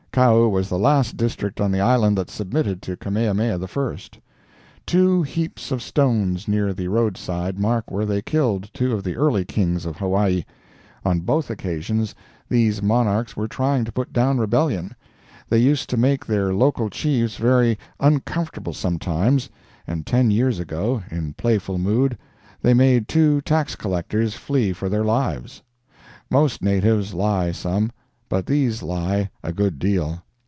Kau was the last district on the island that submitted to Kamehameha I. Two heaps of stones near the roadside mark where they killed two of the early Kings of Hawaii. On both occasions these monarchs were trying to put down rebellion. They used to make their local chiefs very uncomfortable sometimes, and ten years ago, in playful mood, they made two Tax Collectors flee for their lives. Most natives lie some, but these lie a good deal.